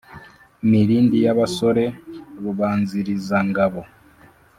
milindi y'abasore, rubanzilizangabo.